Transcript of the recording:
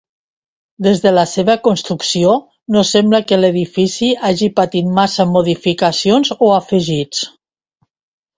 Des de la seva construcció, no sembla que l'edifici hagi patit massa modificacions o afegits.